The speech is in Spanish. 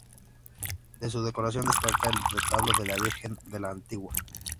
De su decoración destaca el retablo de la Virgen de la Antigua.